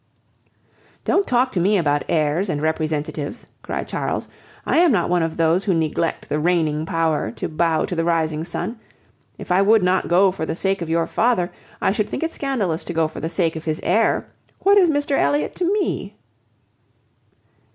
"Don't talk to me about heirs and representatives," cried Charles. "I am not one of those who neglect the reigning power to bow to the rising sun. If I would not go for the sake of your father, I should think it scandalous to go for the sake of his heir. What is Mr Elliot to me?"